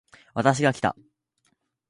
私がきた